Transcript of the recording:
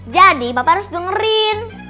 jadi papa harus dengerin